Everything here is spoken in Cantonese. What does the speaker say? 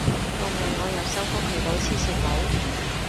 救命我又收工遇到黐線佬